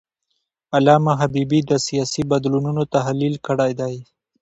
علامه حبیبي د سیاسي بدلونونو تحلیل کړی دی.